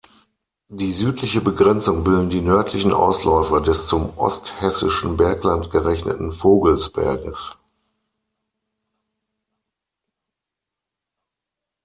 Die südliche Begrenzung bilden die nördlichen Ausläufer des zum Osthessischen Bergland gerechneten Vogelsberges.